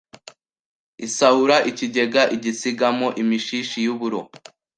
isahura ikigega igisigamo imishishi y' uburo